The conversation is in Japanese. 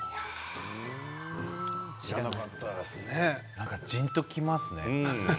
なんかじんときますね。